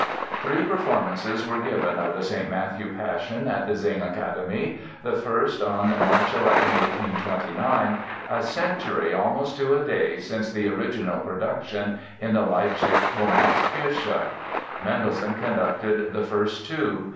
Three performances were given of the "St. Matthew Passion" at the Singakademie—the first on March 11, 1829, a century almost to a day since the original production in the Leipzig Thomaskirche. Mendelssohn conducted the first two.